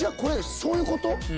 そういうこと？